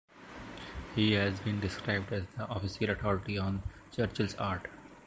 He has been described as the official authority on Churchill's art.